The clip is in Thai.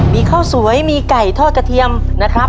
มีข้าวสวยมีไก่ทอดกระเทียมนะครับ